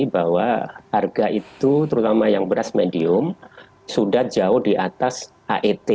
bahwa harga itu terutama yang beras medium sudah jauh di atas het